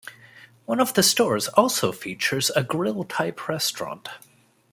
One of the stores also features a grill-type restaurant.